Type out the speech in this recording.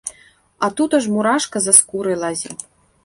А тут аж мурашка за скурай лазе.